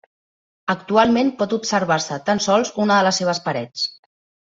Actualment pot observar-se tan sols una de les seves parets.